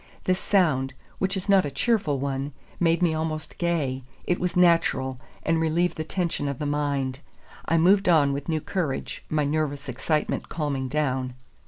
This sound, which is not a cheerful one, made me almost gay. It was natural, and relieved the tension of the mind. I moved on with new courage, my nervous excitement calming down.